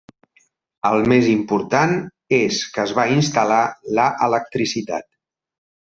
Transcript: El més important és que es va instal·lar la electricitat.